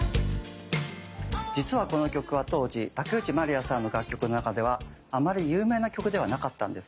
実はこの曲は当時竹内まりやさんの楽曲の中ではあまり有名な曲ではなかったんです。